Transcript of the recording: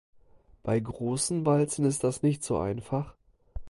Bei großen Walzen ist das nicht so einfach.